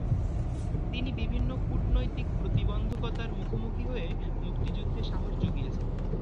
তিনি বিভিন্ন কূটনৈতিক প্রতিবন্ধকতার মুখোমুখি হয়ে মুক্তিযুদ্ধে সাহস যোগিয়েছিলেন।